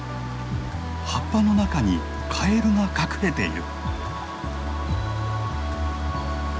葉っぱの中にカエルが隠れている。